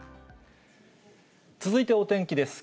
続いてお天気です。